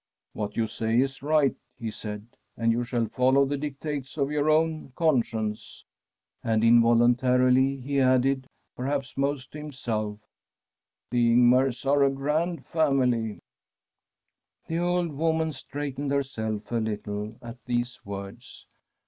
' What you say is right/ he said, ' and you shall follow the dictates of your own conscience.' And involuntarily he added, perhaps most to himself :* The Ingmars are a grand family.' The old woman straightened herself a little at these words.